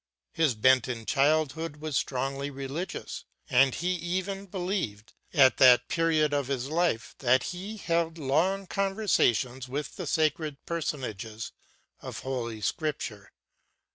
His bent in childhood was strongly religious; and he even believed, at that period of his life, that he held long conversations with the sacred personages of Holy Scripture.